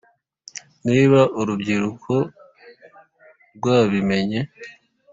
niba urubyiruko rwabimenye;